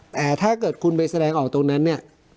แต่ถ้าเกิดคุณไปแสดงออกตรงนั้นเนี่ย